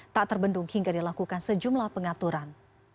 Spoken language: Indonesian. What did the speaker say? tak terbendung hingga dilakukan sejumlah pengaturan